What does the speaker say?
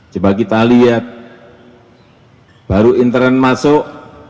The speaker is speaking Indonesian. coba kita lihat baru intern masuk